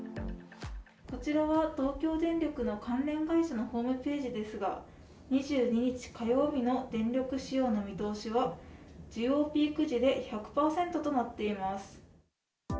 こちらは東京電力の関連会社のホームページですが、２２日火曜日の電力使用の表示は需要ピーク時で１００％となっています。